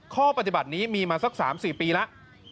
ข้อปฏิบัตินี้มีมาสัก๓๔ปีแล้ว